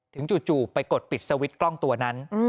ถึงจุดจู่ไปกดปิดสวิฟต์กล้องตัวนั้น